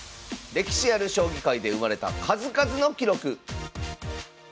歴史ある将棋界で生まれた数々の記録